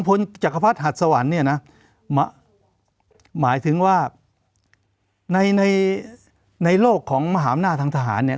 จักรพรรดิหัดสวรรค์เนี่ยนะหมายถึงว่าในในโลกของมหาอำนาจทางทหารเนี่ย